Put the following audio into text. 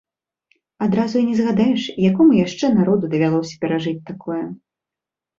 Адразу і не згадаеш, якому яшчэ народу давялося перажыць такое.